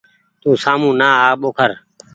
تو سآمو نآ آ ٻوکر۔